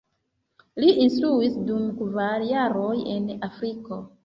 Li instruis dum kvar jaroj en Afriko.